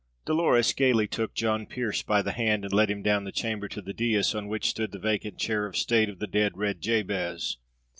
Dolores gaily took John Pearse by the hand and led him down the chamber to the dais on which stood the vacant chair of state of the dead Red Jabez.